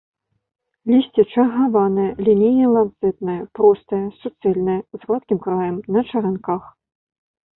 Лісце чаргаванае, лінейна-ланцэтнае, простае, суцэльнае, з гладкім краем, на чаранках.